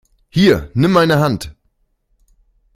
Hier, nimm meine Hand!